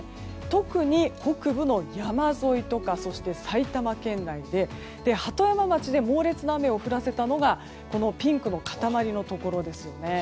特に北部の山沿いとかそして埼玉県内で、鳩山町で猛烈な雨を降らせたのがピンクの塊のところです。